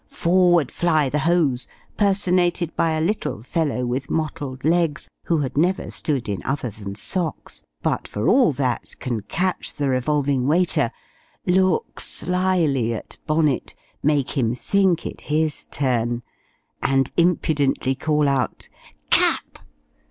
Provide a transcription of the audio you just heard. forward fly the hose, personated by a little fellow, with mottled legs, who had never stood in other than socks, but for all that can catch the revolving waiter, look slyly at Bonnet, make him think it his turn, and impudently call out "_Cap!